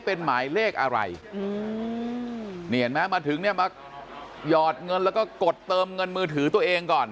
เป็นหมายเลขอะไรอืมนี่เห็นไหมมาถึงเนี่ยมาหยอดเงินแล้วก็กดเติมเงินมือถือตัวเองก่อน